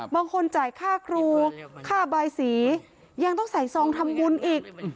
บางคนจ่ายค่าครูค่าบายสียังต้องใส่ซองทำบุญอีก